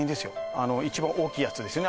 あの一番大きいやつですね